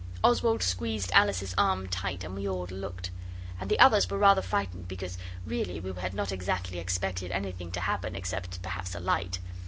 Oswald squeezed Alice's arm tight, and we all looked; and the others were rather frightened because really we had not exactly expected anything to happen except perhaps a light.